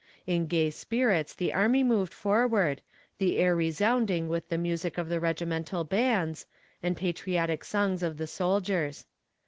In gay spirits the army moved forward, the air resounding with the music of the regimental bands, and patriotic songs of the soldiers.